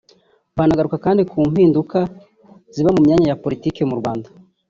banagaruka kandi ku mpinduka ziba mu myanya ya politiki mu Rwanda